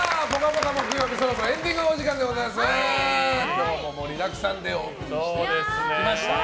今日も盛りだくさんでお送りしてきました。